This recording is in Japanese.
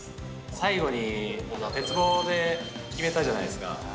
最後に鉄棒で決めたじゃないですか。